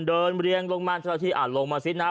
เรียงลงมาเจ้าหน้าที่อาจลงมาสินะ